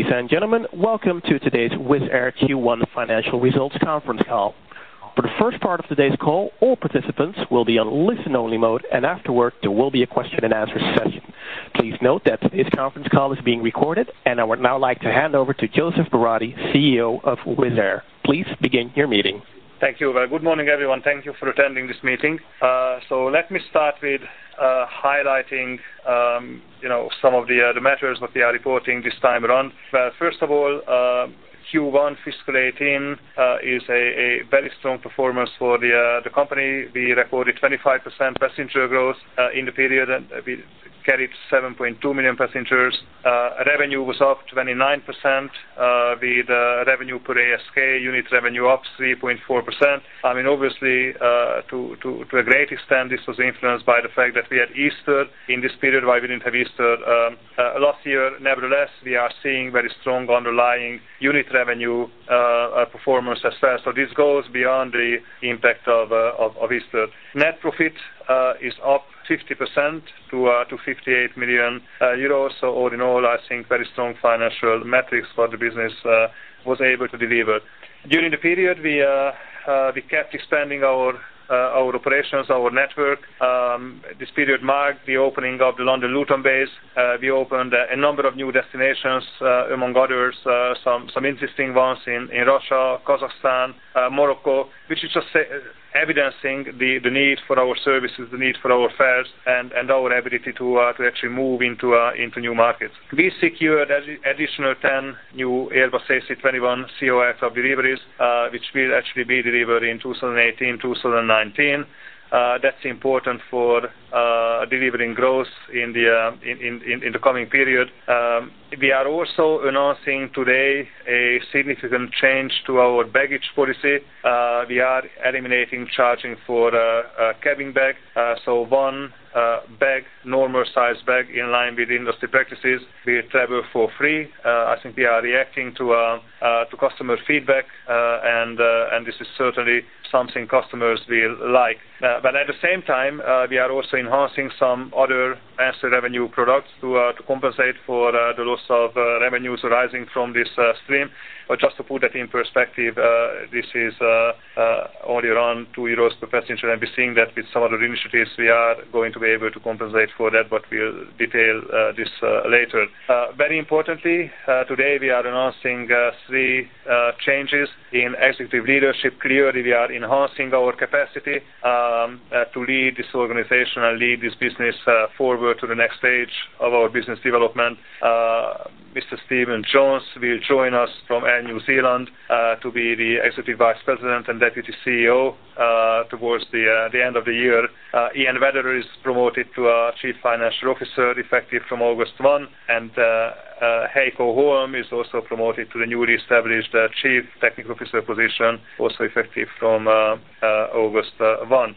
Ladies and gentlemen, welcome to today's Wizz Air Q1 financial results conference call. For the first part of today's call, all participants will be on listen-only mode. Afterward, there will be a question and answer session. Please note that today's conference call is being recorded. I would now like to hand over to József Váradi, CEO of Wizz Air. Please begin your meeting. Thank you. Good morning, everyone. Thank you for attending this meeting. Let me start with highlighting some of the matters that we are reporting this time around. First of all, Q1 fiscal 2018 is a very strong performance for the company. We recorded 25% passenger growth in the period. We carried 7.2 million passengers. Revenue was up 29%, with revenue per ASK unit revenue up 3.4%. Obviously, to a great extent, this was influenced by the fact that we had Easter in this period, while we didn't have Easter last year. Nevertheless, we are seeing very strong underlying unit revenue performance as well. This goes beyond the impact of Easter. Net profit is up 50% to 58 million euros. All in all, I think very strong financial metrics for the business was able to deliver. During the period, we kept expanding our operations, our network. This period marked the opening of the London Luton base. We opened a number of new destinations, among others, some interesting ones in Russia, Kazakhstan, Morocco, which is just evidencing the need for our services, the need for our fares, and our ability to actually move into new markets. We secured an additional 10 new Airbus A321ceo aircraft deliveries, which will actually be delivered in 2018, 2019. That's important for delivering growth in the coming period. We are also announcing today a significant change to our baggage policy. We are eliminating charging for a cabin bag. One normal size bag in line with industry practices will travel for free. I think we are reacting to customer feedback. This is certainly something customers will like. At the same time, we are also enhancing some other master revenue products to compensate for the loss of revenues arising from this stream. Just to put that in perspective, this is only around 2 euros per passenger. We're seeing that with some other initiatives, we are going to be able to compensate for that. We'll detail this later. Very importantly, today we are announcing three changes in executive leadership. Clearly, we are enhancing our capacity to lead this organization and lead this business forward to the next stage of our business development. Mr. Stephen Jones will join us from Air New Zealand to be the Executive Vice President and Deputy CEO towards the end of the year. Iain Wetherall is promoted to Chief Financial Officer, effective from August 1, and Heiko Holm is also promoted to the newly established Chief Technical Officer position, also effective from August 1.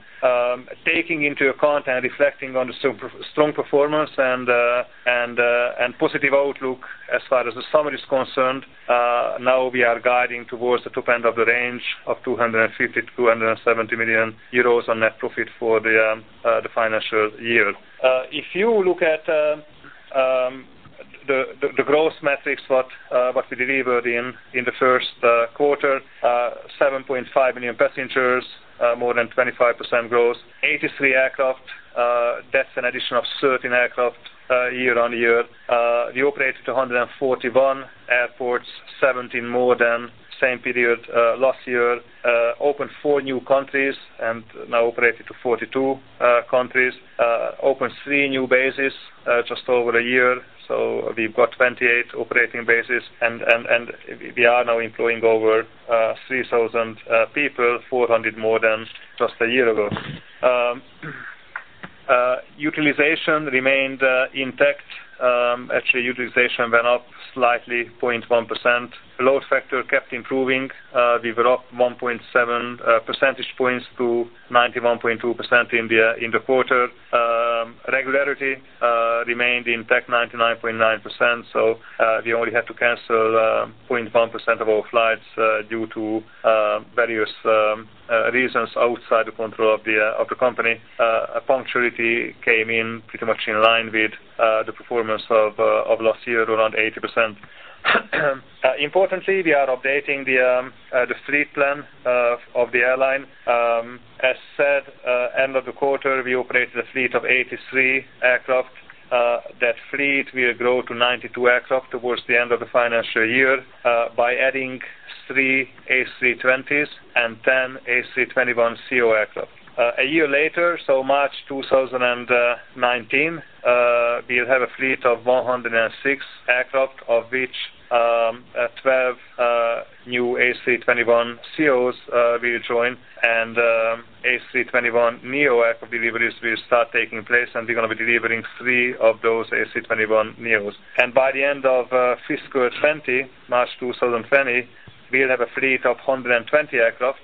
Taking into account and reflecting on the strong performance and positive outlook as far as the summary is concerned, now we are guiding towards the top end of the range of 250 million-270 million euros on net profit for the financial year. If you look at the growth metrics, what we delivered in the first quarter, 7.2 million passengers, more than 25% growth, 83 aircraft. That's an addition of 13 aircraft year-on-year. We operated 141 airports, 17 more than same period last year, opened four new countries, and now operate to 42 countries, opened three new bases just over a year. We've got 28 operating bases, and we are now employing over 3,000 people, 400 more than just a year ago. Utilization remained intact. Actually, utilization went up slightly, 0.1%. Load factor kept improving. We were up 1.7 percentage points to 91.2% in the quarter. Regularity remained intact, 99.9%, so we only had to cancel 0.1% of our flights due to various reasons outside the control of the company. Punctuality came in pretty much in line with the performance of last year, around 80%. Importantly, we are updating the fleet plan of the airline. As said, end of the quarter, we operate a fleet of 83 aircraft. That fleet will grow to 92 aircraft towards the end of the financial year by adding three A320s and 10 A321ceo aircraft. A year later, so March 2019, we'll have a fleet of 106 aircraft, of which 12 new A321ceos will join, and A321neo aircraft deliveries will start taking place, and we're going to be delivering three of those A321neos. By the end of FY 2020, March 2020, we'll have a fleet of 120 aircraft,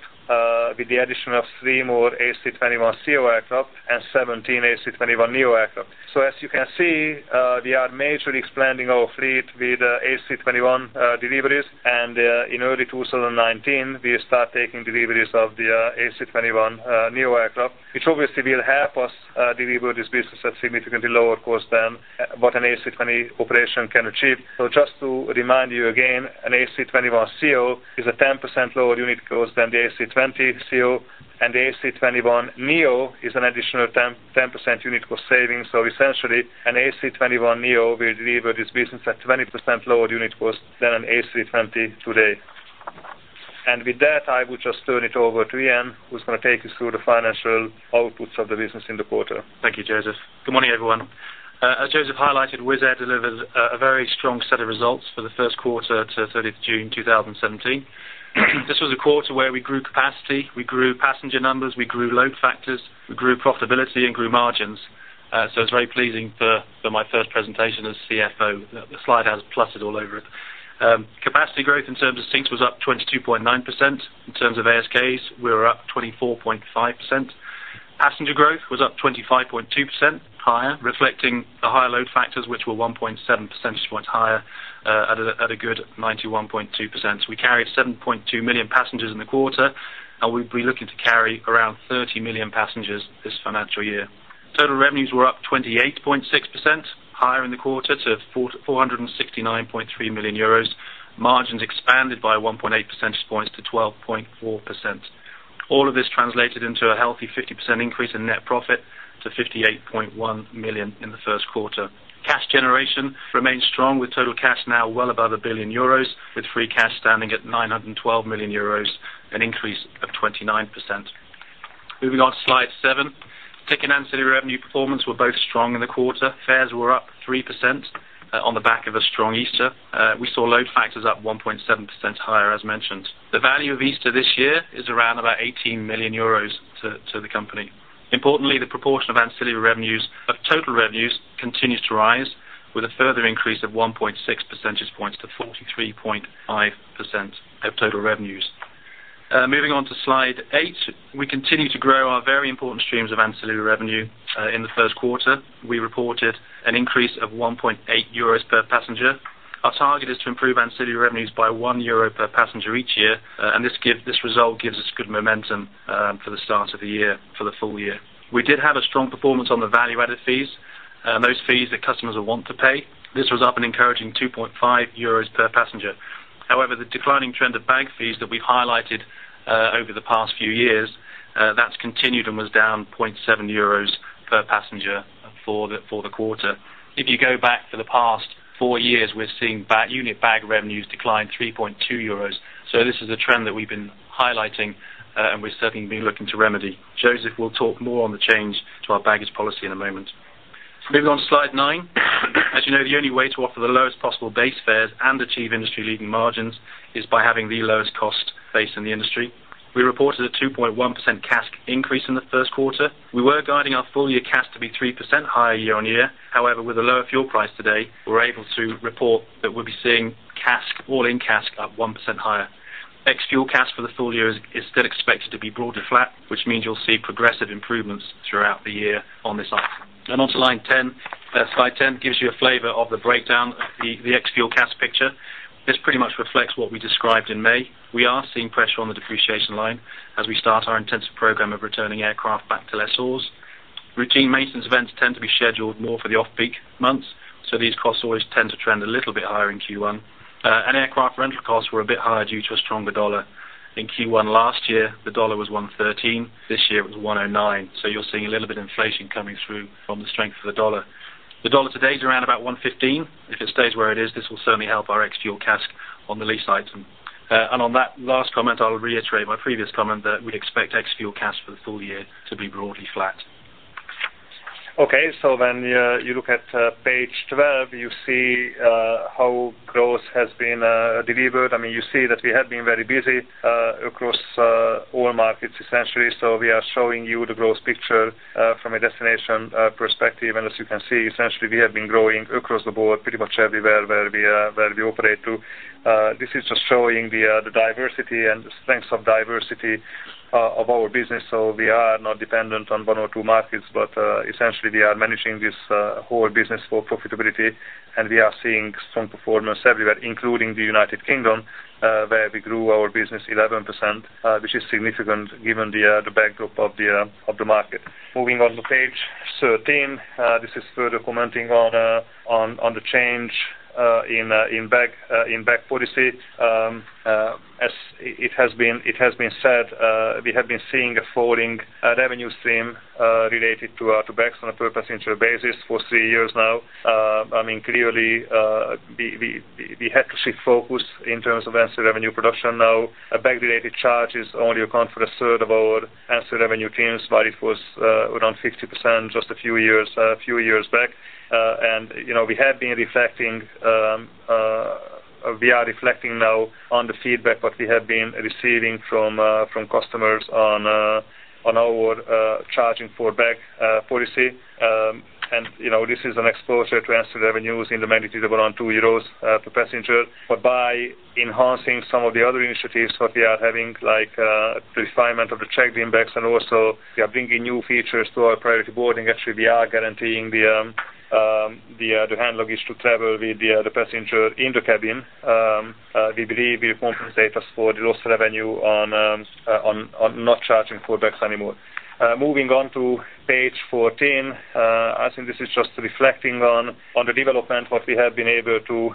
with the addition of three more A321ceo aircraft and 17 A321neo aircraft. As you can see, we are majorly expanding our fleet with A321 deliveries. In early 2019, we start taking deliveries of the A321neo aircraft, which obviously will help us deliver this business at significantly lower cost than what an A320 operation can achieve. Just to remind you again, an A321ceo is a 10% lower unit cost than the A320ceo, and the A321neo is an additional 10% unit cost savings. Essentially, an A321neo will deliver this business at 20% lower unit cost than an A320 today. With that, I will just turn it over to Iain, who's going to take you through the financial outputs of the business in the quarter. Thank you, József. Good morning, everyone. As József highlighted, Wizz Air delivered a very strong set of results for the first quarter to 30th June 2017. This was a quarter where we grew capacity, we grew passenger numbers, we grew load factors, we grew profitability and grew margins. It's very pleasing for my first presentation as CFO. The slide has pluses all over it. Capacity growth in terms of seats was up 22.9%. In terms of ASKs, we were up 24.5%. Passenger growth was up 25.2% higher, reflecting the higher load factors, which were 1.7 percentage points higher at a good 91.2%. We carried 7.2 million passengers in the quarter, and we'll be looking to carry around 30 million passengers this financial year. Total revenues were up 28.6% higher in the quarter to 469.3 million euros. Margins expanded by 1.8 percentage points to 12.4%. All of this translated into a healthy 50% increase in net profit to 58.1 million in the first quarter. Cash generation remains strong, with total cash now well above 1 billion euros, with free cash standing at 912 million euros, an increase of 29%. Moving on to slide seven. Ticket and ancillary revenue performance were both strong in the quarter. Fares were up 3% on the back of a strong Easter. We saw load factors up 1.7% higher, as mentioned. The value of Easter this year is around about 18 million euros to the company. Importantly, the proportion of ancillary revenues of total revenues continues to rise with a further increase of 1.6 percentage points to 43.5% of total revenues. Moving on to slide eight. We continue to grow our very important streams of ancillary revenue. In the first quarter, we reported an increase of 1.8 euros per passenger. Our target is to improve ancillary revenues by 1 euro per passenger each year. This result gives us good momentum for the start of the year, for the full year. We did have a strong performance on the value-added fees, those fees that customers want to pay. This was up an encouraging 2.5 euros per passenger. However, the declining trend of bag fees that we highlighted over the past few years, that's continued and was down 0.7 euros per passenger for the quarter. If you go back for the past four years, we're seeing unit bag revenues decline 3.20 euros. This is a trend that we've been highlighting, and we're certainly been looking to remedy. József will talk more on the change to our baggage policy in a moment. Moving on to slide nine. As you know, the only way to offer the lowest possible base fares and achieve industry-leading margins is by having the lowest cost base in the industry. We reported a 2.1% CASK increase in the first quarter. We were guiding our full-year CASK to be 3% higher year-on-year. However, with a lower fuel price today, we're able to report that we'll be seeing CASK, all-in CASK, up 1% higher. Ex-fuel CASK for the full year is still expected to be broadly flat, which means you'll see progressive improvements throughout the year on this item. On to slide 10. Slide 10 gives you a flavor of the breakdown of the ex-fuel CASK picture. This pretty much reflects what we described in May. We are seeing pressure on the depreciation line as we start our intensive program of returning aircraft back to lessors. Routine maintenance events tend to be scheduled more for the off-peak months, these costs always tend to trend a little bit higher in Q1. Aircraft rental costs were a bit higher due to a stronger dollar. In Q1 last year, the dollar was 113. This year it was 109. You're seeing a little bit inflation coming through from the strength of the dollar. The dollar today is around 115. If it stays where it is, this will certainly help our ex-fuel CASK on the lease item. On that last comment, I'll reiterate my previous comment that we'd expect ex-fuel CASK for the full year to be broadly flat. When you look at page 12, you see how growth has been delivered. You see that we have been very busy across all markets, essentially. We are showing you the growth picture from a destination perspective. As you can see, essentially, we have been growing across the board pretty much everywhere where we operate to. This is just showing the diversity and the strengths of diversity of our business. We are not dependent on one or two markets, but essentially we are managing this whole business for profitability, and we are seeing strong performance everywhere, including the United Kingdom, where we grew our business 11%, which is significant given the backdrop of the market. Moving on to page 13. This is further commenting on the change in bag policy. As it has been said, we have been seeing a falling revenue stream related to bags on a per-passenger basis for three years now. Clearly, we had to shift focus in terms of ancillary revenue production. Bag-related charges only account for a third of our ancillary revenue streams, while it was around 50% just a few years back. We are reflecting now on the feedback what we have been receiving from customers on our charging for bag policy. This is an exposure to ancillary revenues in the magnitude of around 2 euros per passenger. But by enhancing some of the other initiatives what we are having, like the refinement of the checked-in bags and also we are bringing new features to our priority boarding. We are guaranteeing the hand luggage to travel with the passenger in the cabin. We believe will compensate us for the lost revenue on not charging for bags anymore. Moving on to page 14. This is just reflecting on the development what we have been able to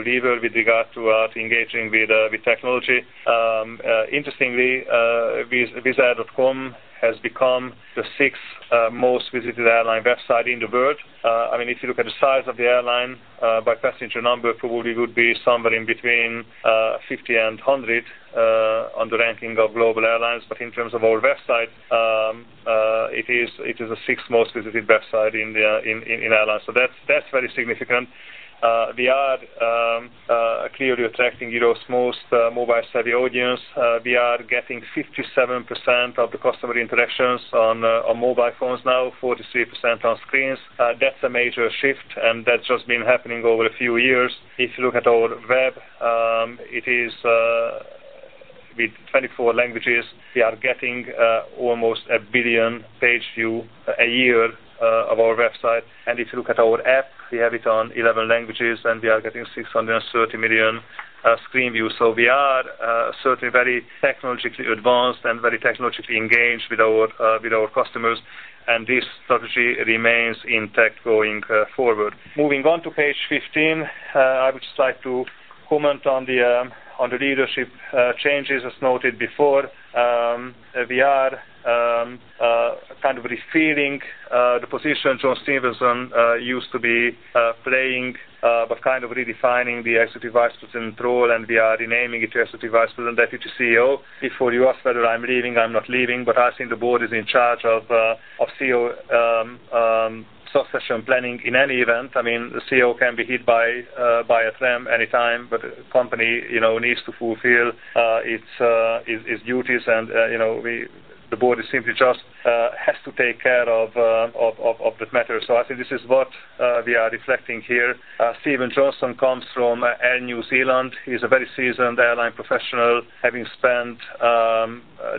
deliver with regard to engaging with technology. Interestingly, wizzair.com has become the sixth most visited airline website in the world. If you look at the size of the airline by passenger number, probably would be somewhere in between 50 and 100 on the ranking of global airlines. But in terms of our website, it is the sixth most visited website in airlines. That's very significant. We are clearly attracting Europe's most mobile-savvy audience. We are getting 57% of the customer interactions on mobile phones now, 43% on screens. That's a major shift, and that's just been happening over a few years. If you look at our web, it is with 24 languages. We are getting almost a billion page view a year of our website. If you look at our app, we have it on 11 languages, and we are getting 630 million screen views. We are certainly very technologically advanced and very technologically engaged with our customers, and this strategy remains intact going forward. Moving on to page 15, I would just like to comment on the leadership changes, as noted before. We are kind of refilling the position John Stephenson used to be playing, Kind of redefining the Executive Vice President role, and we are renaming it to Executive Vice President, Deputy CEO. Before you ask whether I'm leaving, I'm not leaving, I think the board is in charge of CEO succession planning in any event. I mean, the CEO can be hit by a tram anytime, The company needs to fulfill its duties and the board simply just has to take care of that matter. I think this is what we are reflecting here. Stephen Jones comes from Air New Zealand. He's a very seasoned airline professional, having spent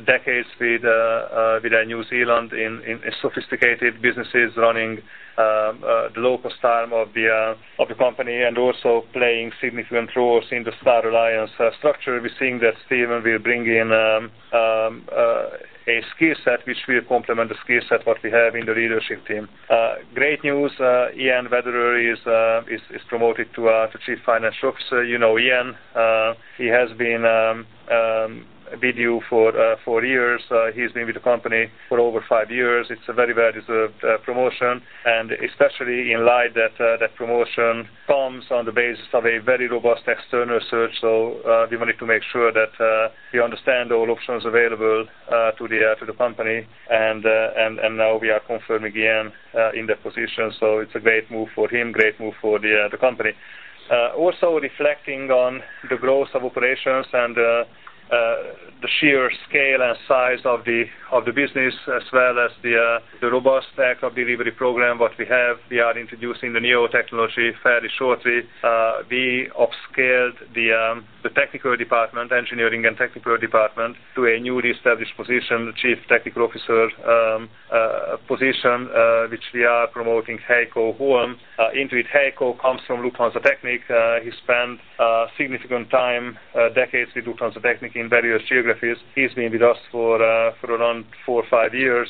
decades with Air New Zealand in sophisticated businesses, running the low-cost arm of the company, and also playing significant roles in the Star Alliance structure. We're seeing that Stephen will bring in a skill set which will complement the skill set, what we have in the leadership team. Great news. Iain Wetherall is promoted to Chief Financial Officer. You know Iain. He has been with you for four years. He's been with the company for over five years. It's a very well-deserved promotion, Especially in light that promotion comes on the basis of a very robust external search. We wanted to make sure that we understand all options available to the company, Now we are confirming Iain in that position. It's a great move for him, great move for the company. Also reflecting on the growth of operations and the sheer scale and size of the business as well as the robust aircraft delivery program that we have. We are introducing the neo technology fairly shortly. We up-scaled the technical department, engineering and technical department, to a newly established position, the Chief Technical Officer position, which we are promoting Heiko Holm into it. Heiko comes from Lufthansa Technik. He spent significant time, decades, with Lufthansa Technik in various geographies. He's been with us for around four or five years.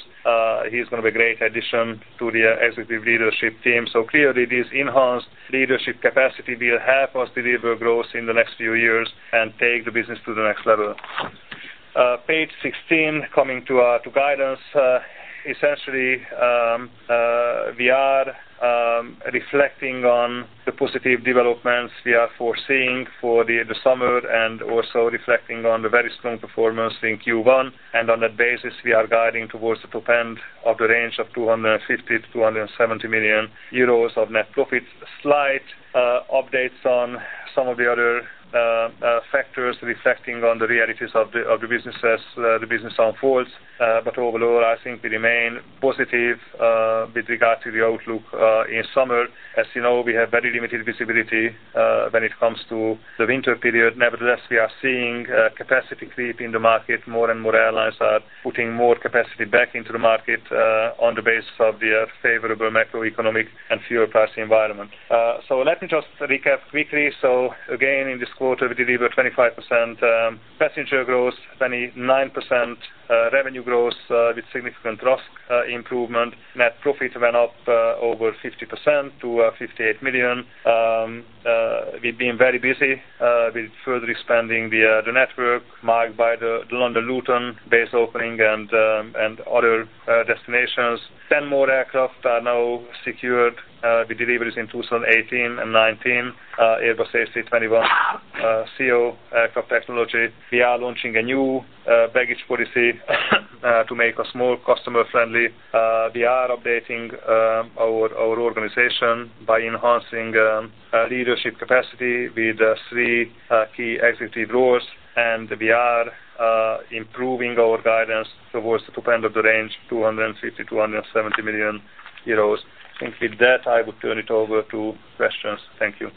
He's going to be a great addition to the executive leadership team. Clearly, this enhanced leadership capacity will help us deliver growth in the next few years and take the business to the next level. Page 16, coming to guidance. Essentially, we are reflecting on the positive developments we are foreseeing for the summer and also reflecting on the very strong performance in Q1. On that basis, we are guiding towards the top end of the range of 250 million to 270 million euros of net profit. Slight updates on some of the other factors reflecting on the realities of the business as the business unfolds. Overall, I think we remain positive with regard to the outlook in summer. As you know, we have very limited visibility when it comes to the winter period. Nevertheless, we are seeing capacity creep in the market. More and more airlines are putting more capacity back into the market on the basis of the favorable macroeconomic and fuel price environment. Let me just recap quickly. Again, in this quarter, we delivered 25% passenger growth, 29% revenue growth with significant RASK improvement. Net profit went up over 50% to 58 million. We've been very busy with further expanding the network marked by the London Luton base opening and other destinations. 10 more aircraft are now secured with deliveries in 2018 and 2019, Airbus A321ceo aircraft technology. We are launching a new baggage policy to make us more customer-friendly. We are updating our organization by enhancing leadership capacity with three key executive roles, and we are improving our guidance towards the top end of the range, 250 million to 270 million euros. With that, I would turn it over to questions. Thank you.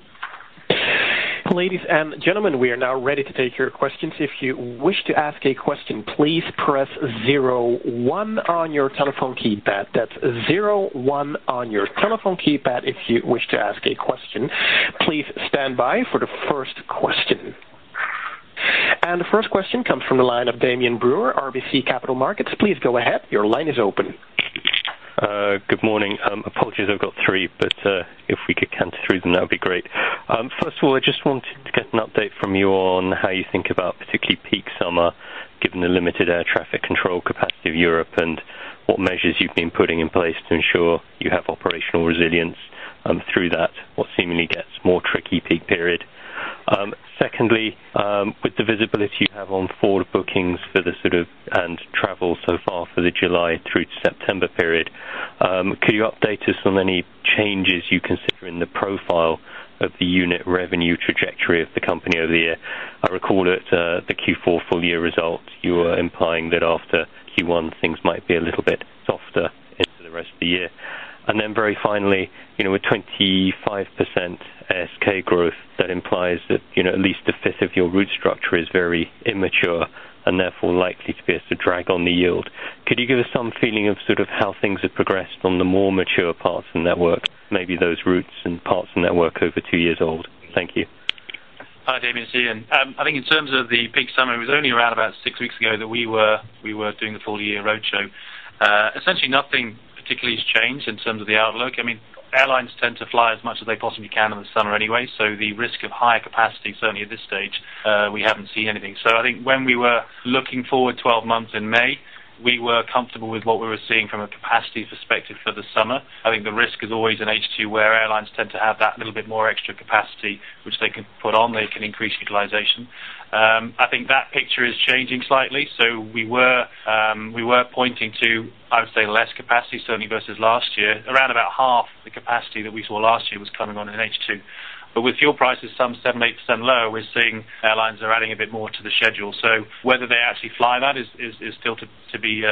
Ladies and gentlemen, we are now ready to take your questions. If you wish to ask a question, please press zero one on your telephone keypad. That's zero one on your telephone keypad if you wish to ask a question. Please stand by for the first question. The first question comes from the line of Damian Brewer, RBC Capital Markets. Please go ahead. Your line is open. Good morning. Apologies, I've got three. If we could canter through them, that'd be great. First of all, I just wanted to get an update from you on how you think about particularly peak summer, given the limited air traffic control capacity of Europe and what measures you've been putting in place to ensure you have operational resilience through that what seemingly gets more tricky peak period. Secondly, with the visibility you have on forward bookings for the sort of, and travel so far for the July through to September period, could you update us on any changes you consider in the profile of the unit revenue trajectory of the company over the year? I recall at the Q4 full-year results, you were implying that after Q1 things might be a little bit softer into the rest of the year. Very finally, with 25% ASK growth, that implies that at least a fifth of your route structure is very immature and therefore likely to be a drag on the yield. Could you give us some feeling of how things have progressed on the more mature parts and networks, maybe those routes and parts of network over two years old? Thank you. Hi, Damian. It's Iain. I think in terms of the peak summer, it was only around about six weeks ago that we were doing the full year roadshow. Essentially nothing particularly has changed in terms of the outlook. Airlines tend to fly as much as they possibly can in the summer anyway. The risk of higher capacity, certainly at this stage, we haven't seen anything. I think when we were looking forward 12 months in May, we were comfortable with what we were seeing from a capacity perspective for the summer. I think the risk is always in H2, where airlines tend to have that little bit more extra capacity which they can put on, they can increase utilization. I think that picture is changing slightly. We were pointing to, I would say, less capacity certainly versus last year. Around about half the capacity that we saw last year was coming on in H2. With fuel prices some 7%, 8% lower, we're seeing airlines are adding a bit more to the schedule. Whether they actually fly that is still to be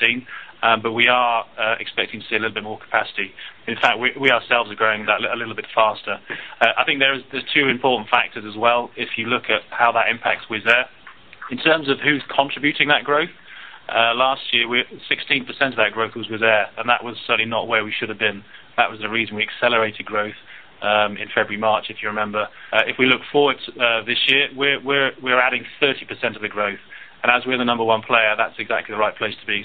seen. We are expecting to see a little bit more capacity. In fact, we ourselves are growing a little bit faster. I think there's two important factors as well if you look at how that impacts Wizz Air. In terms of who's contributing that growth, last year, 16% of that growth was Wizz Air, and that was certainly not where we should have been. That was the reason we accelerated growth in February, March, if you remember. If we look forward to this year, we're adding 30% of the growth. As we're the number one player, that's exactly the right place to be.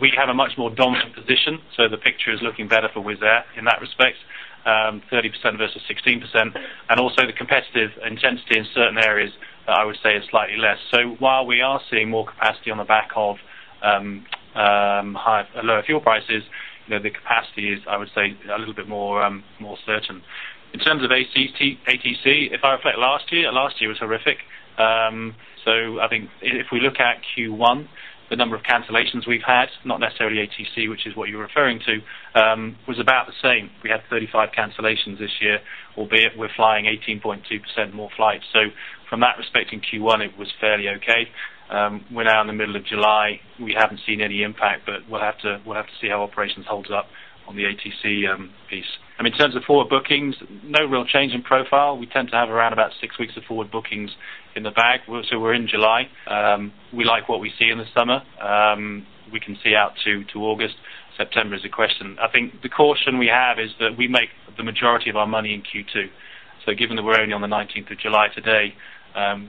We have a much more dominant position, the picture is looking better for Wizz Air in that respect, 30% versus 16%. Also the competitive intensity in certain areas, I would say, is slightly less. While we are seeing more capacity on the back of lower fuel prices, the capacity is, I would say, a little bit more certain. In terms of ATC, if I reflect last year, last year was horrific. I think if we look at Q1, the number of cancellations we've had, not necessarily ATC, which is what you're referring to, was about the same. We had 35 cancellations this year, albeit we're flying 18.2% more flights. From that respect in Q1, it was fairly okay. We're now in the middle of July. We haven't seen any impact, we'll have to see how operations holds up on the ATC piece. In terms of forward bookings, no real change in profile. We tend to have around about six weeks of forward bookings in the bag. We're in July. We like what we see in the summer. We can see out to August. September is a question. I think the caution we have is that we make the majority of our money in Q2. Given that we're only on the 19th of July today,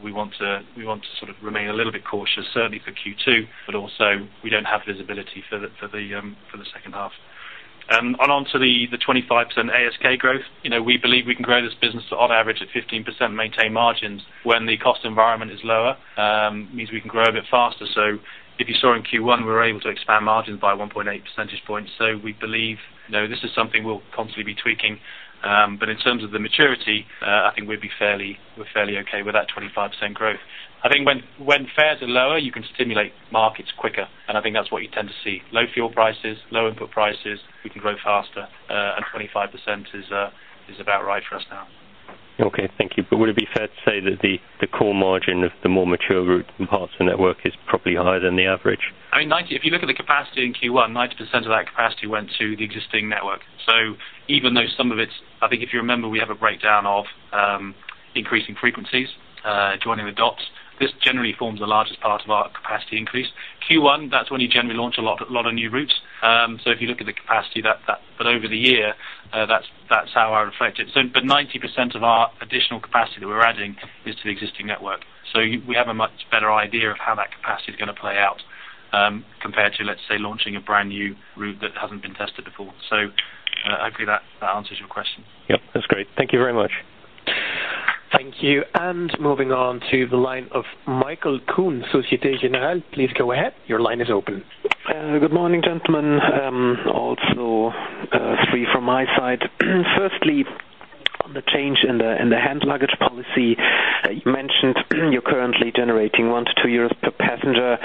we want to remain a little bit cautious, certainly for Q2. Also we don't have visibility for the second half. Onto the 25% ASK growth. We believe we can grow this business on average at 15%, maintain margins when the cost environment is lower, means we can grow a bit faster. If you saw in Q1, we were able to expand margins by 1.8 percentage points. We believe this is something we'll constantly be tweaking. In terms of the maturity, I think we're fairly okay with that 25% growth. I think when fares are lower, you can stimulate markets quicker, and I think that's what you tend to see. Low fuel prices, low input prices, we can grow faster, and 25% is about right for us now. Okay, thank you. Would it be fair to say that the core margin of the more mature route and parts of the network is probably higher than the average? If you look at the capacity in Q1, 90% of that capacity went to the existing network. Even though some of it, I think if you remember, we have a breakdown of increasing frequencies, joining the dots. This generally forms the largest part of our capacity increase. Q1, that's when you generally launch a lot of new routes. If you look at the capacity, over the year, that's how I reflect it. 90% of our additional capacity that we're adding is to the existing network. We have a much better idea of how that capacity is going to play out compared to, let's say, launching a brand-new route that hasn't been tested before. Hopefully that answers your question. Yep, that's great. Thank you very much. Thank you. Moving on to the line of Michael Kuhn, Société Générale. Please go ahead. Your line is open. Good morning, gentlemen. Also three from my side. Firstly, on the change in the hand luggage policy, you mentioned you're currently generating one to two EUR per passenger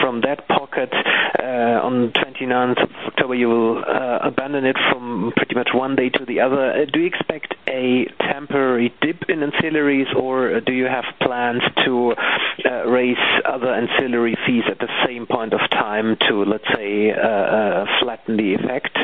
from that pocket. On the 29th of October, you will abandon it from pretty much one day to the other. Do you expect a temporary dip in ancillaries, or do you have plans to raise other ancillary fees at the same point of time to, let's say, flatten the effect?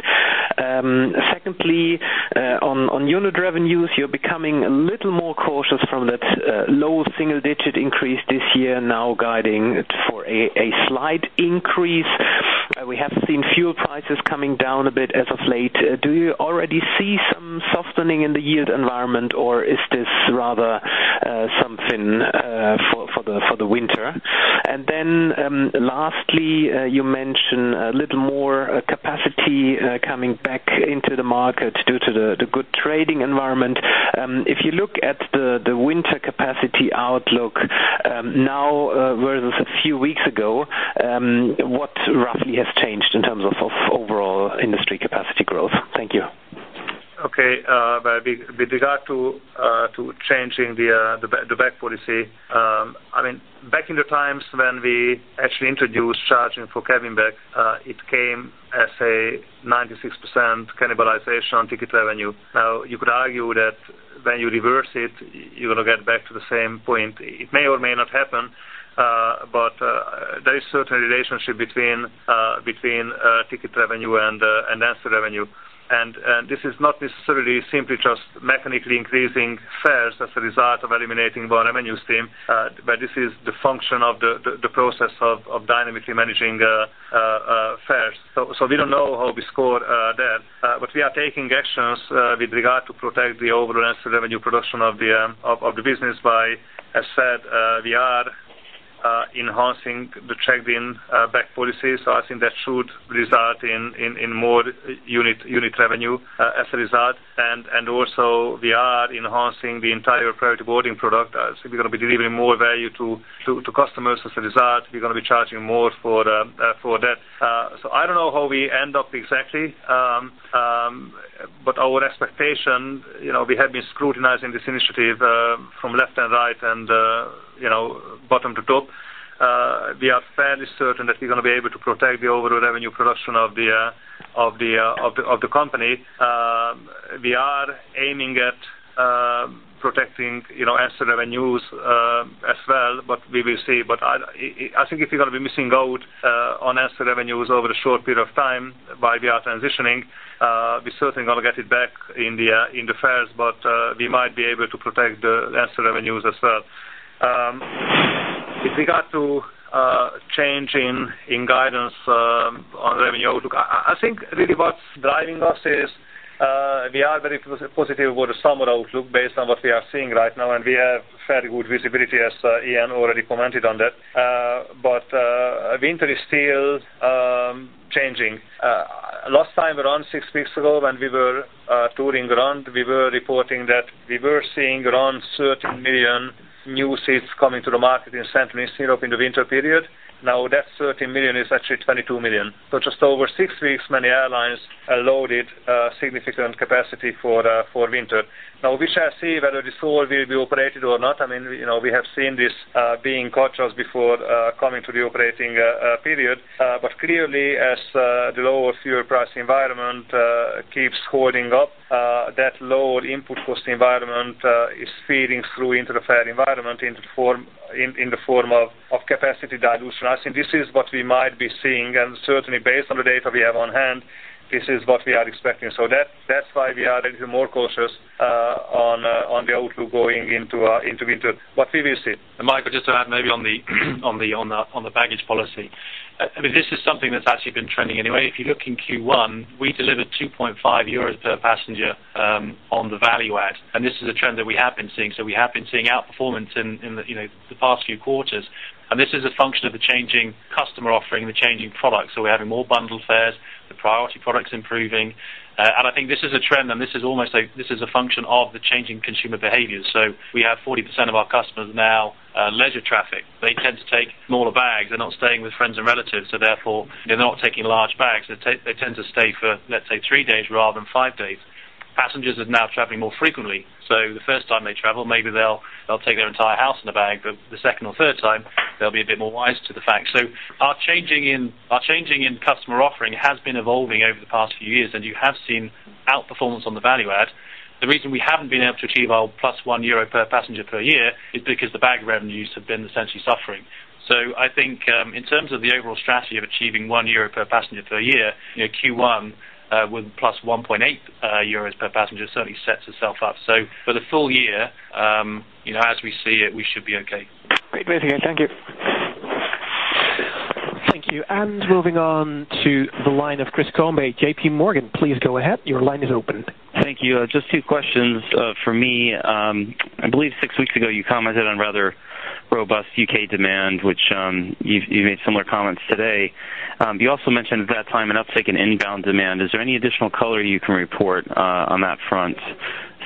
Secondly, on unit revenues, you're becoming a little more cautious from that low single-digit increase this year, now guiding for a slight increase. We have seen fuel prices coming down a bit as of late. Do you already see some softening in the yield environment, or is this rather something for the winter? Lastly, you mentioned a little more capacity coming back into the market due to the good trading environment. If you look at the winter capacity outlook now versus a few weeks ago, what roughly has changed in terms of overall industry capacity? Okay. With regard to changing the bag policy, back in the times when we actually introduced charging for cabin bag, it came as a 96% cannibalization ticket revenue. You could argue that when you reverse it, you're going to get back to the same point. It may or may not happen, but there is certainly relationship between ticket revenue and ancillary revenue. This is not necessarily simply just mechanically increasing fares as a result of eliminating one revenue stream, but this is the function of the process of dynamically managing fares. We don't know how we score there. We are taking actions with regard to protect the overall ancillary revenue production of the business by, as said, we are enhancing the checked-in bag policy. I think that should result in more unit revenue as a result. Also, we are enhancing the entire priority boarding product. We're going to be delivering more value to customers as a result. We're going to be charging more for that. I don't know how we end up exactly. Our expectation, we have been scrutinizing this initiative from left and right and bottom to top. We are fairly certain that we're going to be able to protect the overall revenue production of the company. We are aiming at protecting ancillary revenues as well, but we will see. I think if we're going to be missing out on ancillary revenues over a short period of time while we are transitioning, we're certainly going to get it back in the fares, but we might be able to protect the ancillary revenues as well. With regard to change in guidance on revenue outlook, I think really what's driving us is we are very positive about the summer outlook based on what we are seeing right now, and we have fairly good visibility, as Iain already commented on that. Winter is still changing. Last time, around six weeks ago, when we were touring around, we were reporting that we were seeing around 13 million new seats coming to the market in Central and Eastern Europe in the winter period. That 13 million is actually 22 million. Just over six weeks, many airlines loaded significant capacity for winter. We shall see whether this all will be operated or not. We have seen this being cautious before coming to the operating period. Clearly, as the lower fuel price environment keeps holding up, that lower input cost environment is feeding through into the fare environment in the form of capacity dilution. I think this is what we might be seeing, and certainly based on the data we have on hand, this is what we are expecting. That's why we are a little more cautious on the outlook going into winter. We will see. Michael, just to add maybe on the baggage policy. This is something that's actually been trending anyway. If you look in Q1, we delivered 2.50 euros per passenger on the value add, and this is a trend that we have been seeing. We have been seeing outperformance in the past few quarters, and this is a function of the changing customer offering, the changing product. We're having more bundled fares, the priority product's improving. I think this is a trend, and this is a function of the changing consumer behavior. We have 40% of our customers now are leisure traffic. They tend to take smaller bags. They're not staying with friends and relatives, so therefore they're not taking large bags. They tend to stay for, let's say, three days rather than five days. Passengers are now traveling more frequently. The first time they travel, maybe they'll take their entire house in a bag, the second or third time, they'll be a bit more wise to the fact. Our changing in customer offering has been evolving over the past few years, and you have seen outperformance on the value add. The reason we haven't been able to achieve our plus 1 euro per passenger per year is because the bag revenues have been essentially suffering. I think in terms of the overall strategy of achieving 1 euro per passenger per year, Q1 with plus 1.80 euros per passenger certainly sets itself up. For the full year, as we see it, we should be okay. Great. Thank you. Thank you. Moving on to the line of Chris Combe, JPMorgan. Please go ahead. Your line is open. Thank you. Just two questions for me. I believe six weeks ago you commented on rather robust U.K. demand, which you made similar comments today. You also mentioned at that time an uptick in inbound demand. Is there any additional color you can report on that front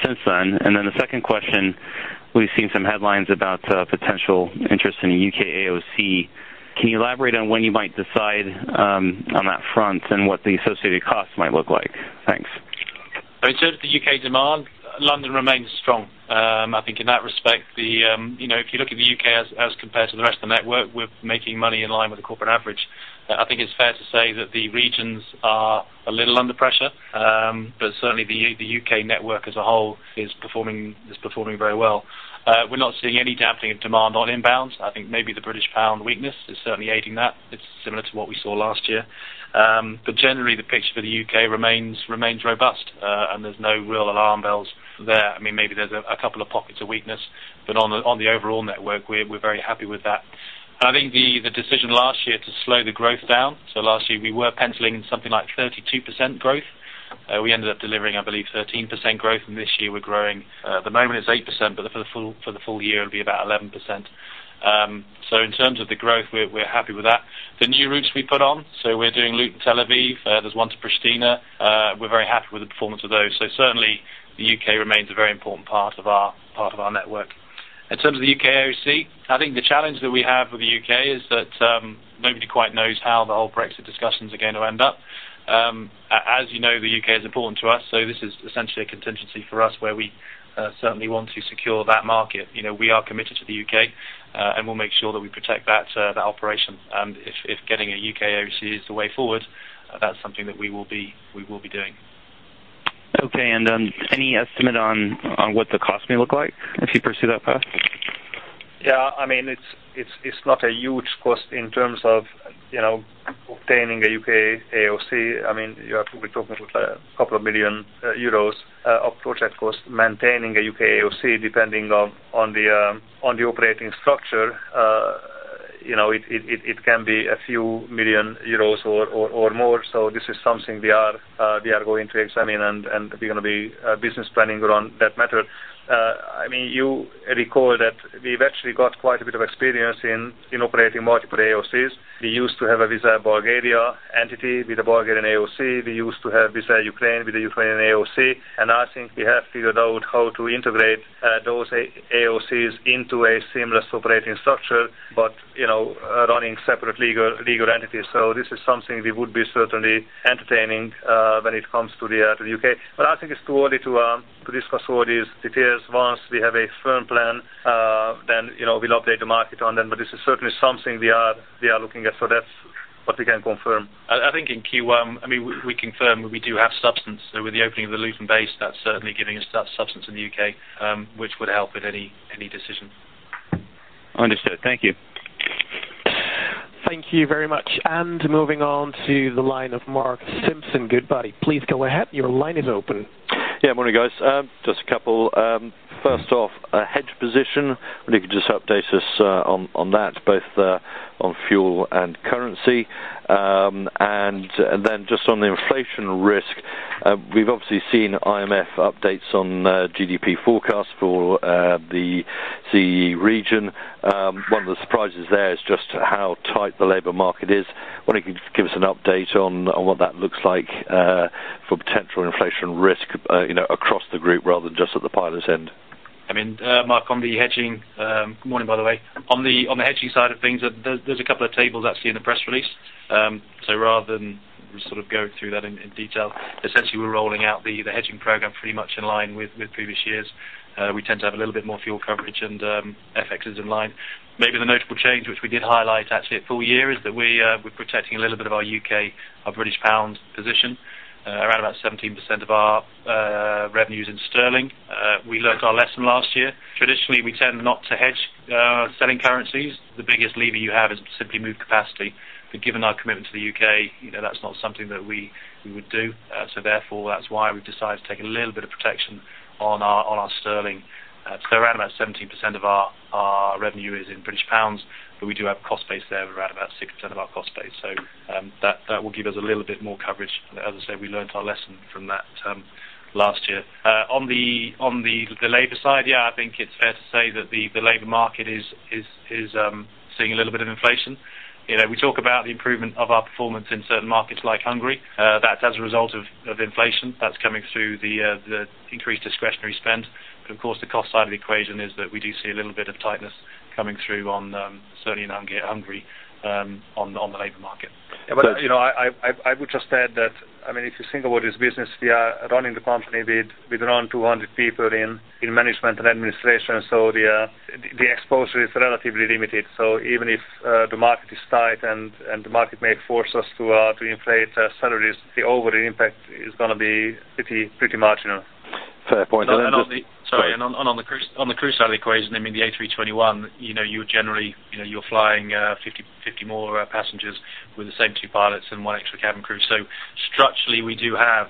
since then? Then the second question, we've seen some headlines about potential interest in U.K. AOC. Can you elaborate on when you might decide on that front and what the associated costs might look like? Thanks. In terms of the U.K. demand, London remains strong. I think in that respect, if you look at the U.K. as compared to the rest of the network, we're making money in line with the corporate average. I think it's fair to say that the regions are a little under pressure. But certainly the U.K. network as a whole is performing very well. We're not seeing any dampening of demand on inbounds. I think maybe the British pound weakness is certainly aiding that. It's similar to what we saw last year. But generally, the picture for the U.K. remains robust, and there's no real alarm bells there. Maybe there's a couple of pockets of weakness, but on the overall network, we're very happy with that. I think the decision last year to slow the growth down. Last year we were penciling in something like 32% growth. We ended up delivering, I believe, 13% growth, and this year we're growing, at the moment it's 8%, but for the full year, it'll be about 11%. In terms of the growth, we're happy with that. The new routes we put on, so we're doing Luton-Tel Aviv. There's one to Pristina. We're very happy with the performance of those. Certainly the U.K. remains a very important part of our network. In terms of the U.K. AOC, I think the challenge that we have with the U.K. is that nobody quite knows how the whole Brexit discussions are going to end up. As you know, the U.K. is important to us, so this is essentially a contingency for us, where we certainly want to secure that market. We are committed to the U.K., and we'll make sure that we protect that operation. If getting a U.K. AOC is the way forward, that's something that we will be doing. Okay. Any estimate on what the cost may look like if you pursue that path? It's not a huge cost in terms of obtaining a U.K. AOC. You are probably talking about a couple of million EUR of project cost maintaining a U.K. AOC, depending on the operating structure. It can be a few million EUR or more. This is something we are going to examine, and we're going to be business planning around that matter. You recall that we've actually got quite a bit of experience in operating multiple AOCs. We used to have a Wizz Air Bulgaria entity with a Bulgarian AOC. We used to have Wizz Air Ukraine with a Ukrainian AOC. I think we have figured out how to integrate those AOCs into a seamless operating structure, but running separate legal entities. This is something we would be certainly entertaining when it comes to the U.K. I think it's too early to discuss all these details. Once we have a firm plan, then we'll update the market on them. This is certainly something we are looking at. That's what we can confirm. I think in Q1, we confirm we do have substance. With the opening of the Luton base, that's certainly giving us that substance in the U.K., which would help with any decisions. Understood. Thank you. Thank you very much. Moving on to the line of Mark Simpson. Goodbody, please go ahead. Your line is open. Morning, guys. Just a couple. First off, hedge position. Wonder if you could just update us on that, both on fuel and currency. Then just on the inflation risk, we've obviously seen IMF updates on GDP forecast for the CEE region. One of the surprises there is just how tight the labor market is. Wonder if you could give us an update on what that looks like for potential inflation risk across the group rather than just at the pilots' end. Mark, on the hedging. Morning, by the way. On the hedging side of things, there's a couple of tables actually in the press release. Rather than sort of go through that in detail, essentially, we're rolling out the hedging program pretty much in line with previous years. We tend to have a little bit more fuel coverage, and FX is in line. Maybe the notable change, which we did highlight actually at full year, is that we're protecting a little bit of our British pound position. Around about 17% of our revenue is in sterling. We learned our lesson last year. Traditionally, we tend not to hedge selling currencies. The biggest lever you have is to simply move capacity. Given our commitment to the U.K., that's not something that we would do. Therefore, that's why we've decided to take a little bit of protection on our sterling. Around about 17% of our revenue is in British pounds, but we do have cost base there of around about 6% of our cost base. That will give us a little bit more coverage. As I say, we learned our lesson from that last year. On the labor side, I think it's fair to say that the labor market is seeing a little bit of inflation. We talk about the improvement of our performance in certain markets like Hungary. That's as a result of inflation. That's coming through the increased discretionary spend. Of course, the cost side of the equation is that we do see a little bit of tightness coming through certainly in Hungary on the labor market. I would just add that, if you think about this business, we are running the company with around 200 people in management and administration. The exposure is relatively limited. Even if the market is tight and the market may force us to inflate salaries, the overall impact is going to be pretty marginal. Fair point. Sorry. On the crew side of the equation, the A321, you're flying 50 more passengers with the same two pilots and one extra cabin crew. Structurally, we do have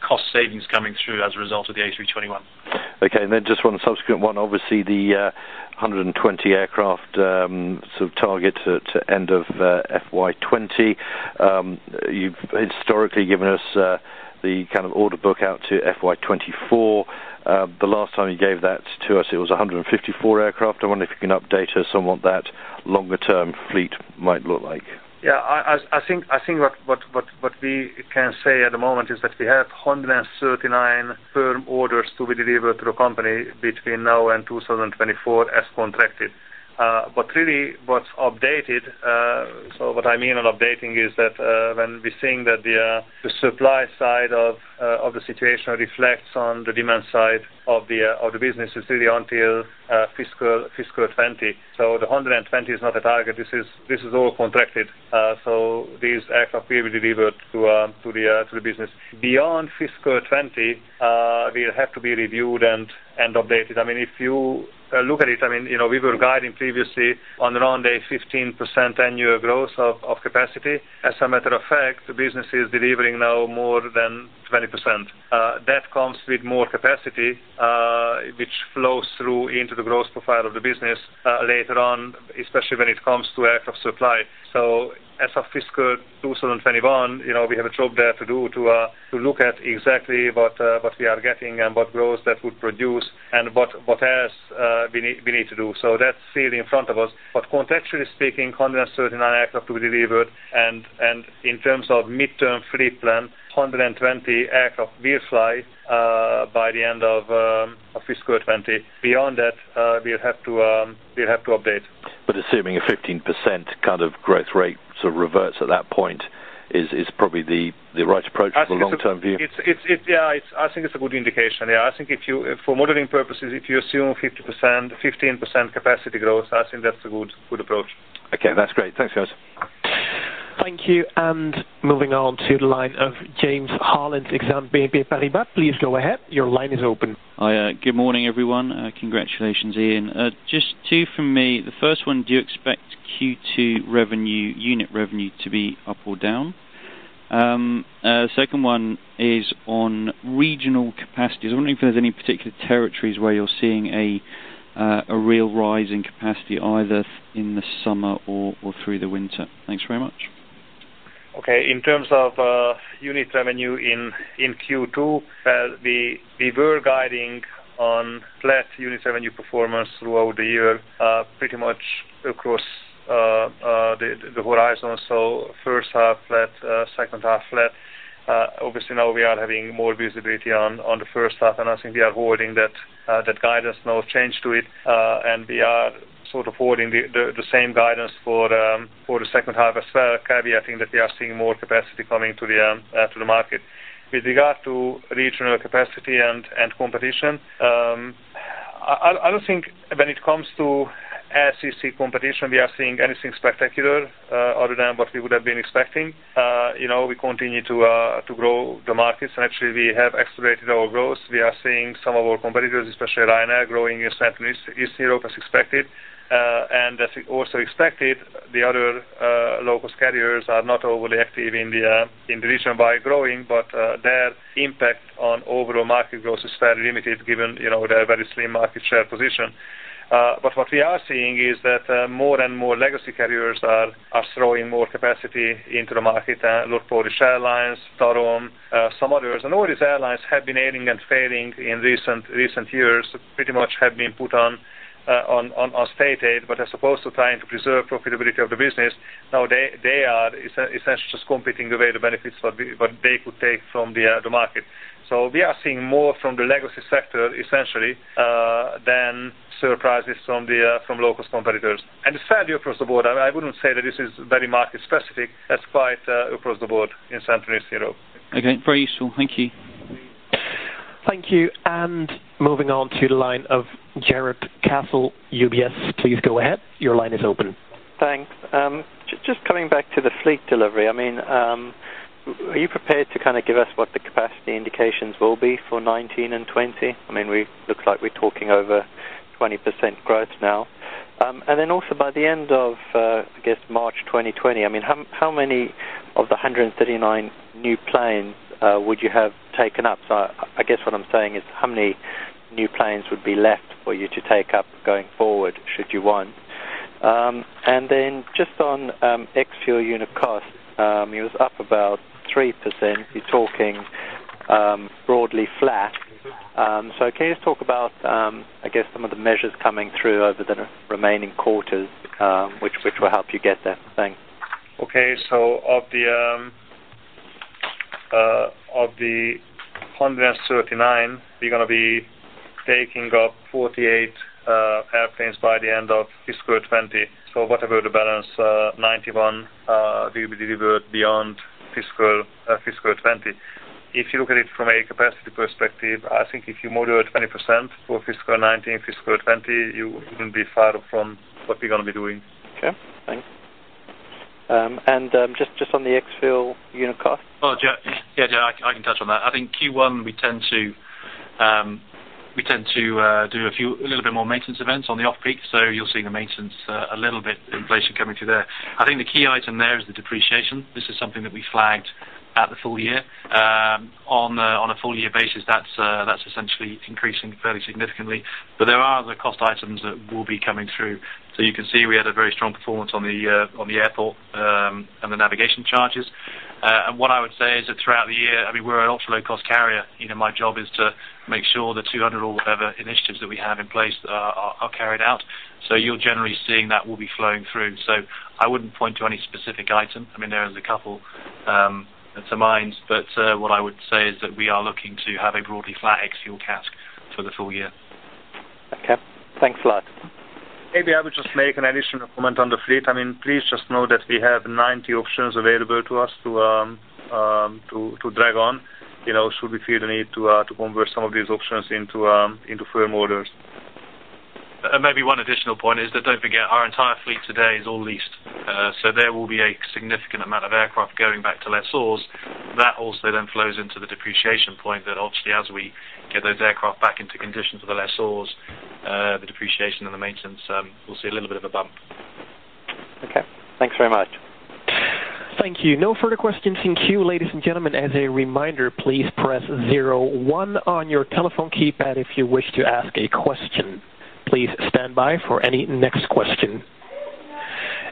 cost savings coming through as a result of the A321. Okay. Then just one subsequent one. Obviously, the 120 aircraft sort of target to end of FY 2020. You've historically given us the kind of order book out to FY 2024. The last time you gave that to us, it was 154 aircraft. I wonder if you can update us on what that longer-term fleet might look like. I think what we can say at the moment is that we have 139 firm orders to be delivered to the company between now and 2024 as contracted. Really what's updated, so what I mean on updating is that when we're seeing that the supply side of the situation reflects on the demand side of the business is really until fiscal 2020. The 120 is not a target. This is all contracted. These aircraft will be delivered to the business. Beyond fiscal 2020, we'll have to be reviewed and updated. If you look at it, we were guiding previously on around a 15% annual growth of capacity. As a matter of fact, the business is delivering now more than 20%. That comes with more capacity, which flows through into the growth profile of the business later on, especially when it comes to aircraft supply. As of fiscal 2021, we have a job there to do to look at exactly what we are getting and what growth that would produce and what else we need to do. That's really in front of us. Contextually speaking, 139 aircraft to be delivered, and in terms of mid-term fleet plan, 120 aircraft will fly by the end of fiscal 2020. Beyond that, we'll have to update. Assuming a 15% kind of growth rate sort of reverts at that point is probably the right approach for the long-term view? I think it's a good indication. I think for modeling purposes, if you assume 15% capacity growth, I think that's a good approach. Okay. That's great. Thanks, guys. Thank you. Moving on to the line of James Hollins, Exane BNP Paribas. Please go ahead. Your line is open. Hi. Good morning, everyone. Congratulations, Iain. Just two from me. The first one, do you expect Q2 unit revenue to be up or down? Second one is on regional capacities. I'm wondering if there's any particular territories where you're seeing a real rise in capacity, either in the summer or through the winter. Thanks very much. Okay. In terms of unit revenue in Q2, we were guiding on flat unit revenue performance throughout the year pretty much across the horizon. First half flat, second half flat. Obviously, now we are having more visibility on the first half, I think we are holding that guidance, no change to it, we are sort of holding the same guidance for the second half as well, caveating that we are seeing more capacity coming to the market. With regard to regional capacity and competition, I don't think when it comes to LCC competition, we are seeing anything spectacular other than what we would have been expecting. We continue to grow the markets, actually we have accelerated our growth. We are seeing some of our competitors, especially Ryanair, growing in Central, East Europe as expected. As also expected, the other low-cost carriers are not overly active in the region by growing, their impact on overall market growth is fairly limited given their very slim market share position. What we are seeing is that more and more legacy carriers are throwing more capacity into the market. LOT Polish Airlines, TAROM, some others. All these airlines have been ailing and failing in recent years, pretty much have been put on state aid. As opposed to trying to preserve profitability of the business, now they are essentially just competing away the benefits what they could take from the market. We are seeing more from the legacy sector, essentially, than surprises from low-cost competitors. It's fairly across the board. I wouldn't say that this is very market specific. That's quite across the board in Central and East Europe. Okay. Very useful. Thank you. Thank you. Moving on to the line of Jarrod Castle, UBS. Please go ahead. Your line is open. Thanks. Just coming back to the fleet delivery. Are you prepared to kind of give us what the capacity indications will be for 2019 and 2020? It looks like we're talking over 20% growth now. Then also by the end of, I guess March 2020, how many of the 139 new planes would you have taken up? I guess what I'm saying is, how many new planes would be left for you to take up going forward, should you want? Then just on ex-fuel unit cost, it was up about 3%. You're talking broadly flat. Can you just talk about some of the measures coming through over the remaining quarters which will help you get there? Thanks. Okay. Of the 139, we're going to be taking up 48 airplanes by the end of fiscal 2020. Whatever the balance, 91 will be delivered beyond fiscal 2020. If you look at it from a capacity perspective, I think if you moderate 20% for fiscal 2019, fiscal 2020, you wouldn't be far from what we're going to be doing. Okay, thanks. Just on the ex-fuel unit cost. Oh, Jarrod, yeah, I can touch on that. I think Q1, we tend to do a little bit more maintenance events on the off-peak, so you're seeing the maintenance a little bit inflation coming through there. I think the key item there is the depreciation. This is something that we flagged at the full year. On a full year basis, that's essentially increasing fairly significantly. There are other cost items that will be coming through. You can see we had a very strong performance on the airport and the navigation charges. What I would say is that throughout the year, we're an ultra-low-cost carrier. My job is to make sure the 200 or whatever initiatives that we have in place are carried out. You're generally seeing that will be flowing through. I wouldn't point to any specific item. There is a couple that are mine, what I would say is that we are looking to have a broadly flat ex-fuel CASK for the full year. Okay. Thanks a lot. I would just make an additional comment on the fleet. Please just know that we have 90 options available to us to drag on, should we feel the need to convert some of these options into firm orders. Maybe one additional point is that don't forget, our entire fleet today is all leased. There will be a significant amount of aircraft going back to lessors. That also then flows into the depreciation point that obviously as we get those aircraft back into conditions of the lessors, the depreciation and the maintenance, we'll see a little bit of a bump. Okay. Thanks very much. Thank you. No further questions in queue. Ladies and gentlemen, as a reminder, please press zero one on your telephone keypad if you wish to ask a question. Please stand by for any next question.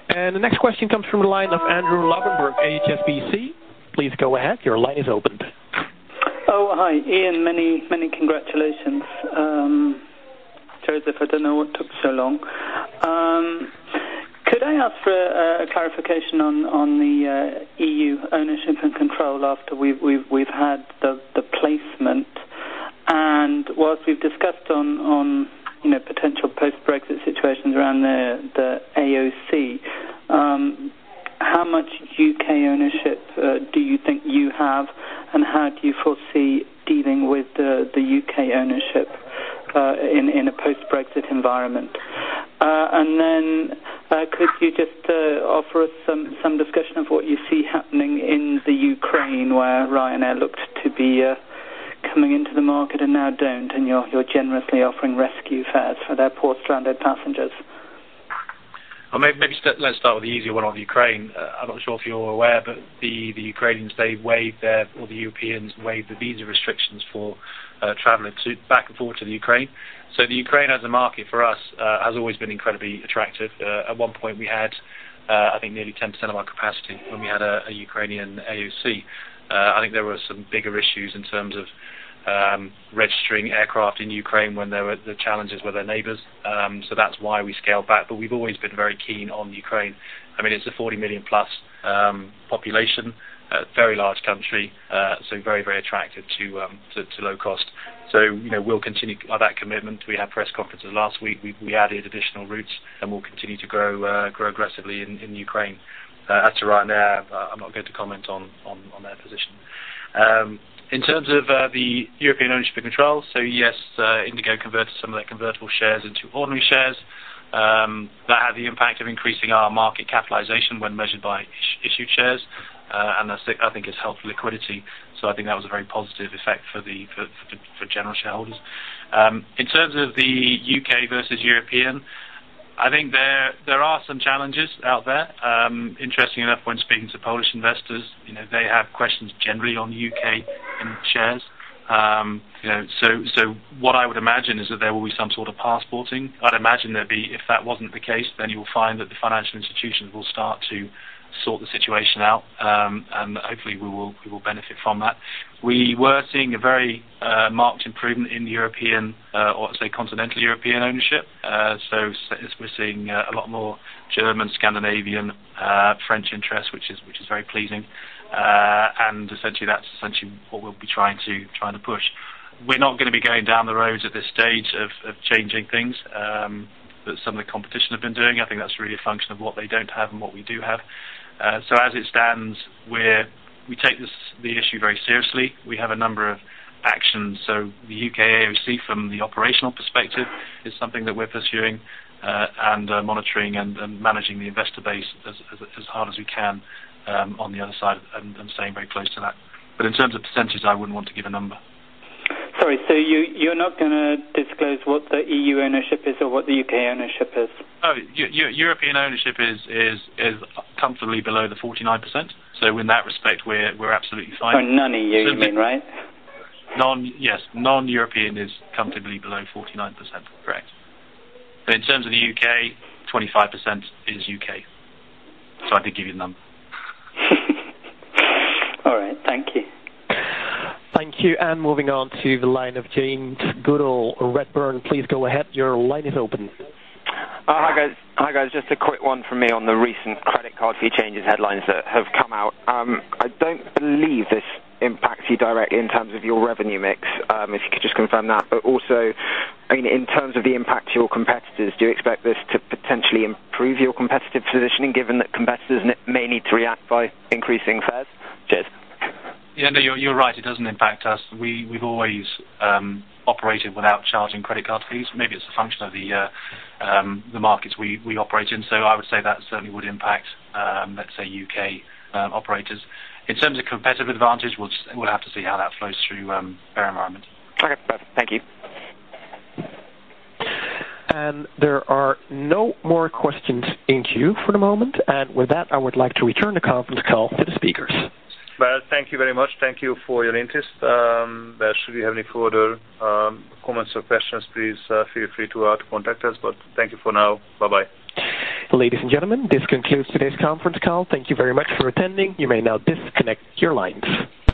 The next question comes from the line of Andrew Lobbenberg, HSBC. Please go ahead. Your line is opened. Hi. Iain, many congratulations. Sorry if I don't know what took so long. Could I ask for a clarification on the EU ownership and control after we've had the placement Whilst we've discussed on potential post-Brexit situations around the AOC, how much U.K. ownership do you think you have, and how do you foresee dealing with the U.K. ownership in a post-Brexit environment? Could you just offer us some discussion of what you see happening in the Ukraine, where Ryanair looked to be coming into the market and now don't, and you're generously offering rescue fares for their poor stranded passengers. Maybe let's start with the easier one of Ukraine. I'm not sure if you're aware, but the Ukrainians, the Europeans waived the visa restrictions for traveling back and forth to the Ukraine. The Ukraine as a market for us, has always been incredibly attractive. At one point we had, I think, nearly 10% of our capacity when we had a Ukrainian AOC. I think there were some bigger issues in terms of registering aircraft in Ukraine when there were the challenges with their neighbors. That's why we scaled back. We've always been very keen on Ukraine. It's a 40 million-plus population, very large country, so very attractive to low cost. We'll continue that commitment. We had press conferences last week. We added additional routes and we'll continue to grow aggressively in Ukraine. As to Ryanair, I'm not going to comment on their position. In terms of the European ownership and control, so yes, Indigo converted some of their convertible shares into ordinary shares. That had the impact of increasing our market capitalization when measured by issued shares. That, I think, has helped liquidity. I think that was a very positive effect for general shareholders. In terms of the U.K. versus European, I think there are some challenges out there. Interestingly enough, when speaking to Polish investors, they have questions generally on U.K. in shares. What I would imagine is that there will be some sort of passporting. If that wasn't the case, then you will find that the financial institutions will start to sort the situation out. Hopefully we will benefit from that. We were seeing a very marked improvement in the European, or I'd say continental European ownership. We're seeing a lot more German, Scandinavian, French interest, which is very pleasing. Essentially that's essentially what we'll be trying to push. We're not going to be going down the roads at this stage of changing things that some of the competition have been doing. I think that's really a function of what they don't have and what we do have. As it stands, we take the issue very seriously. We have a number of actions. The U.K. AOC from the operational perspective is something that we're pursuing and monitoring and managing the investor base as hard as we can on the other side and staying very close to that. In terms of percentages, I wouldn't want to give a number. Sorry. You're not going to disclose what the E.U. ownership is or what the U.K. ownership is? No. European ownership is comfortably below the 49%. In that respect, we're absolutely fine. Non-E.U. you mean, right? Yes. Non-European is comfortably below 49%. Correct. In terms of the U.K., 25% is U.K. I did give you a number. All right. Thank you. Thank you. Moving on to the line of James Goodall, Redburn. Please go ahead. Your line is open. Hi, guys. Just a quick one from me on the recent credit card fee changes headlines that have come out. I don't believe this impacts you directly in terms of your revenue mix. If you could just confirm that, but also, in terms of the impact to your competitors, do you expect this to potentially improve your competitive positioning given that competitors may need to react by increasing fares? Cheers. Yeah. No, you're right. It doesn't impact us. We've always operated without charging credit card fees. Maybe it's a function of the markets we operate in. I would say that certainly would impact, let's say, U.K. operators. In terms of competitive advantage, we'll have to see how that flows through our environment. Okay, perfect. Thank you. There are no more questions in queue for the moment. With that, I would like to return the conference call to the speakers. Well, thank you very much. Thank you for your interest. Should you have any further comments or questions, please feel free to contact us. Thank you for now. Bye-bye. Ladies and gentlemen, this concludes today's conference call. Thank you very much for attending. You may now disconnect your lines.